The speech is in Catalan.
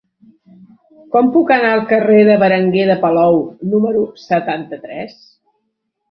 Com puc anar al carrer de Berenguer de Palou número setanta-tres?